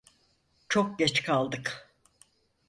Çok geç kaldık!